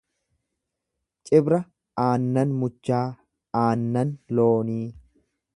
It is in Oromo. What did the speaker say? Cibra aannan muchaa, aannan loonii.